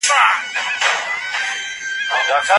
په مابينځ کي يو لوی ډاګ دی.